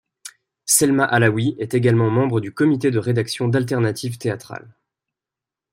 Selma Alaoui est également membre du comité de rédaction d'Alternatives théâtrales.